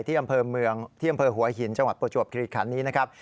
ที่อำเภอเมืองที่อำเภอหัวหินจังหวัดประจวบคิริขันนี้นะครับ